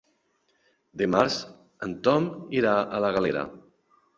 Dimarts en Tom irà a la Galera.